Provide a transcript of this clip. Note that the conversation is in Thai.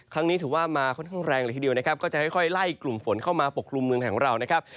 ถือว่ามาค่อนข้างแรงเลยทีเดียวนะครับก็จะค่อยไล่กลุ่มฝนเข้ามาปกครุมเมืองไทยของเรานะครับ